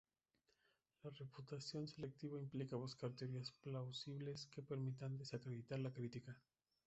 La refutación selectiva implica buscar teorías plausibles que permitan desacreditar la crítica.